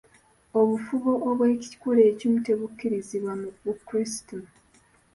Obufubo obw'ekikula ekimu tebukkirizibwa mu bukrisitu.